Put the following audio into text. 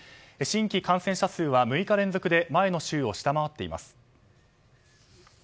新規感染者数は６日連続で前の週を下回っています。